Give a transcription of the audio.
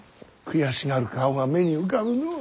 悔しがる顔が目に浮かぶのう。